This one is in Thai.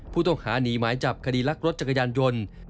ผู้ต้องหาหนีหมายจับคดีลักรถจักรยานยนต์